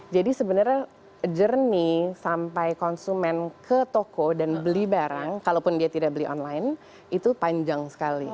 jadi sebenarnya journey sampai konsumen ke toko dan beli barang kalaupun dia tidak beli online itu panjang sekali